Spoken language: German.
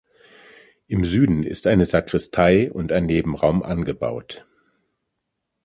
Im Süden ist eine Sakristei und ein Nebenraum angebaut.